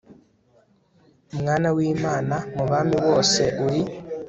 mwana w'imana. mu bami bose uri